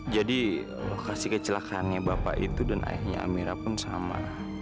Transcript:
lokasi kecelakaannya bapak itu dan ayahnya amira pun sama